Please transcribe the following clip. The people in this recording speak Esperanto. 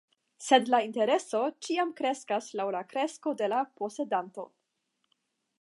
Sed la intereso ĉiam kreskas laŭ la kresko de la posedanto.